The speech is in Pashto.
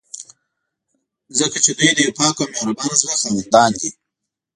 ځکه چې دوی د یو پاک او مهربانه زړه خاوندان دي.